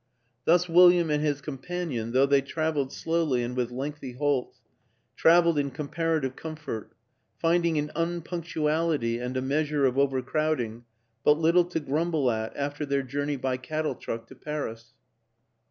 Thus William and his companion, though they traveled slowly and with lengthy halts, traveled in comparative comfort finding in unpunctuality and a measure of overcrowding but little to grumble at after their journey by cattle truck to Paris.